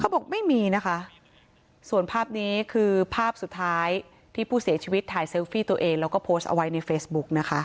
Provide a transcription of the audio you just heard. บอกไม่มีนะคะส่วนภาพนี้คือภาพสุดท้ายที่ผู้เสียชีวิตถ่ายเซลฟี่ตัวเองแล้วก็โพสต์เอาไว้ในเฟซบุ๊กนะคะ